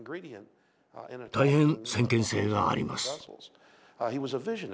大変先見性があります。